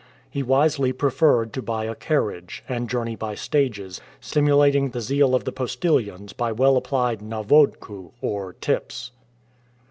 He wisely preferred to buy a carriage, and journey by stages, stimulating the zeal of the postillions by well applied "na vodkou," or tips.